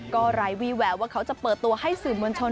ก็ไร้วี่แววว่าเขาจะเปิดตัวให้สื่อมวลชน